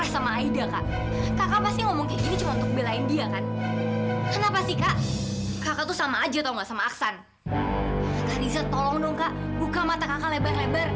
sampai jumpa di video selanjutnya